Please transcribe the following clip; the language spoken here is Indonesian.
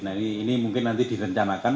nah ini mungkin nanti direncanakan